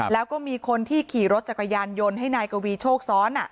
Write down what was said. แล้วก็มีคนที่ขี่รถจักรยานยนต์ให้นายกวีโชคซ้อน